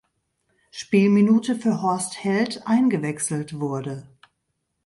Spielminute für Horst Heldt eingewechselt wurde.